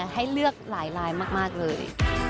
ให้เลือกหลายลายมากเลย